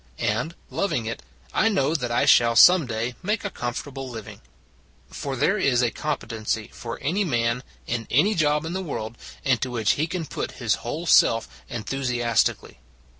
And, loving it, I know that I shall some day make a comfortable living. For there is a competency for any man in any job in the world into which he can put his whole self enthusiastically.